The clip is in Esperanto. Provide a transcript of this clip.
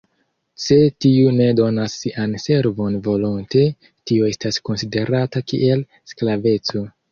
Se tiu ne donas sian servon volonte, tio estas konsiderata kiel sklaveco.